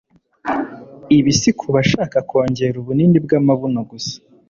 Ibi si ku bashaka kongera ubunini bw'amabuno gusa.